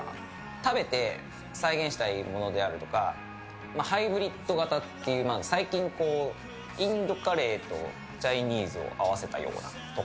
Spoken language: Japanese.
食べて再現したいものであるとかハイブリッド型という最近インドカレーとチャイニーズを合わせたようなやつとか。